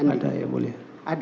ada yang boleh